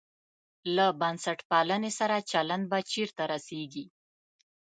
له بنسټپالنې سره چلند به چېرته رسېږي.